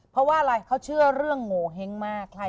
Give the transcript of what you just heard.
เพราะว่าอะไรเขาเชื่อเรื่องโงเห้งมาก